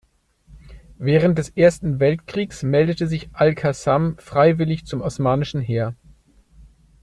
Während des Ersten Weltkriegs meldete sich Al-Qassam freiwillig zum osmanischen Heer.